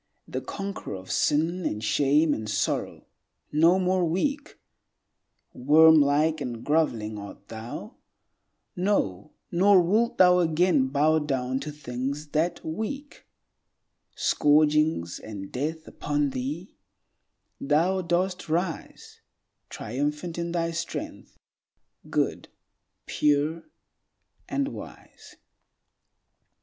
the conqueror Of sin and shame and sorrow; no more weak, Wormlike, and groveling art thou; no, nor Wilt thou again bow down to things that weak Scourgings and death upon thee; thou dost rise Triumphant in thy strength; good, pure and wise.